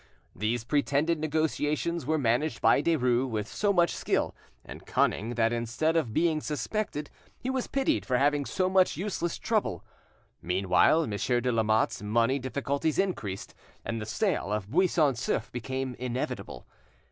These pretended negotiations were managed by Derues with so much skill and cunning that instead of being suspected, he was pitied for having so much useless trouble. Meanwhile, Monsieur de Lamotte's money difficulties increased, and the sale of Buisson Souef became inevitable.